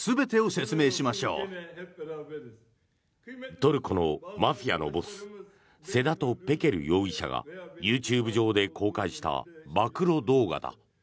トルコのマフィアのボスセダト・ペケル容疑者がＹｏｕＴｕｂｅ上で公開した暴露動画だ。